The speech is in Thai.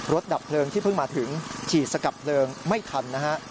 ดับเพลิงที่เพิ่งมาถึงฉีดสกัดเพลิงไม่ทันนะฮะ